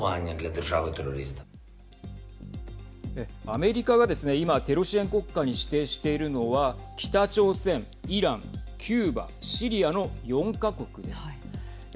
アメリカがですね、今テロ支援国家に指定しているのは北朝鮮、イランキューバ、シリアの４か国です。